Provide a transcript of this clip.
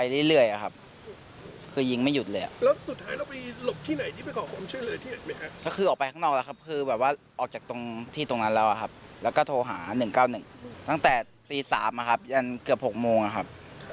ตรงต่ฐี๓อยานเกือบ๖โมงนะครับ